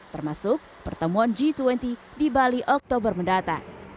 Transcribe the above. termasuk pertemuan g dua puluh di bali oktober mendatang